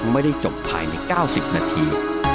ไม่ได้จบภายในเก้าสิบนาที